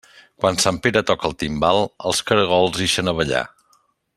Quan sant Pere toca el timbal, els caragols ixen a ballar.